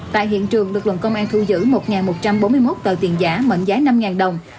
tại hiện trường lực lượng công an thu giữ một một trăm bốn mươi một tờ tiền giả mệnh giá năm đồng